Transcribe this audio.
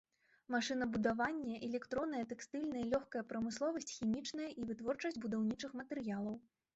Машынабудаванне, электронная, тэкстыльная, лёгкая прамысловасць, хімічная і вытворчасць будаўнічых матэрыялаў.